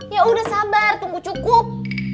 ya udah sabar tunggu cukup